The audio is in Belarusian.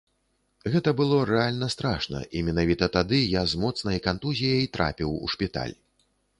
Гэта было рэальна страшна, і менавіта тады я з моцнай кантузіяй трапіў у шпіталь.